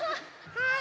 はい！